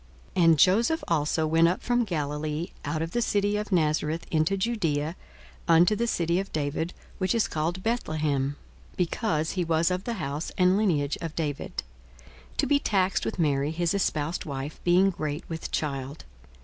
42:002:004 And Joseph also went up from Galilee, out of the city of Nazareth, into Judaea, unto the city of David, which is called Bethlehem; (because he was of the house and lineage of David:) 42:002:005 To be taxed with Mary his espoused wife, being great with child.